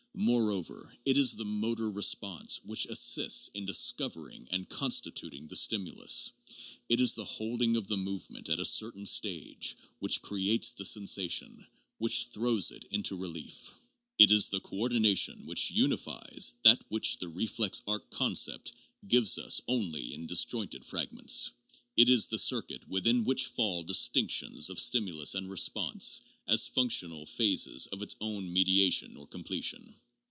Moreover, it is the motor re sponse which assists in discovering and constituting the stim ulus. It is the holding of the movement at a certain stage which creates the sensation, which throws it into relief. It is the coordination which unifies that which the reflex arc concept gives us only in disjointed fragments. It is the circuit within which fall distinctions of stimulus and response as func tional phases of its own mediation or completion.